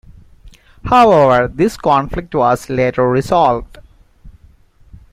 However, this conflict was later resolved.